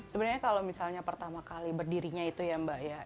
sebenarnya kalau misalnya pertama kali berdirinya itu ya mbak ya